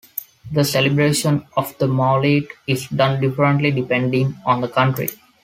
The celebration of the Mawlid is done differently depending on the country.